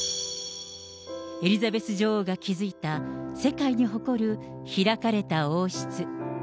エリザベス女王が築いた、世界に誇る開かれた王室。